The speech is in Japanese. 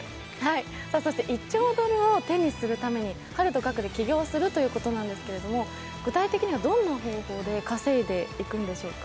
１兆ドルを手にするためにハルとガクで起業するということなんですけど、具体的にはどんな方法で稼いでいくんでしょうか？